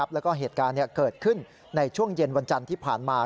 แล้วก็เหตุการณ์เกิดขึ้นในช่วงเย็นวันจันทร์ที่ผ่านมา